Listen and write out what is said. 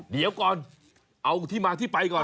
เดี๋ยวก่อนเอาที่มาที่ไปก่อน